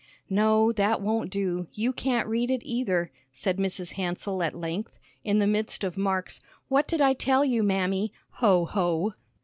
"No, that won't do. You can't read it either," said Mrs. Hansell at length, in the midst of Mark's "What did I tell you, Mammy? Ho! Ho!"